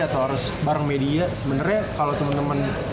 atau harus bareng media sebenernya kalo temen temen